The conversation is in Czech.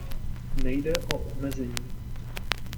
Nejde o omezení.